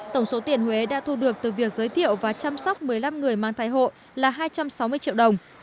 tổng số tiền huế đã thu được từ việc giới thiệu và chăm sóc một mươi năm người mang thai hộ là hai trăm sáu mươi triệu đồng